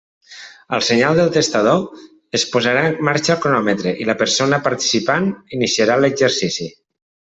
Al senyal del testador, es posarà en marxa el cronòmetre i la persona participant iniciarà l'exercici.